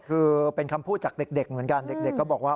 คือเป็นคำพูดจากเด็กเหมือนกันเด็กก็บอกว่า